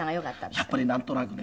やっぱりなんとなくね